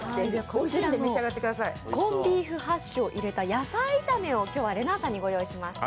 こちらのコンビーフハッシュを入れた野菜炒めを今日は、れなぁさんにご用意しました。